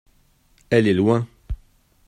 Elle est loin.